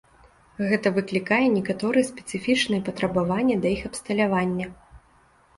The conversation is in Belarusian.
Гэта выклікае некаторыя спецыфічныя патрабаванні да іх абсталявання.